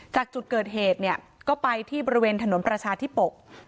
จากจุดเกิดเหตุเนี่ยก็ไปที่บริเวณถนนประชาธิปก